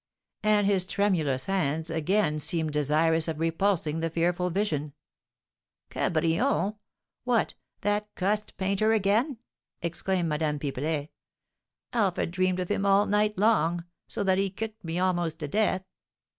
And his tremulous hands again seemed desirous of repulsing the fearful vision. "Cabrion! What, that cussed painter again?" exclaimed Madame Pipelet. "Alfred dreamed of him all night long, so that he kicked me almost to death.